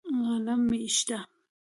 قلم مې شته.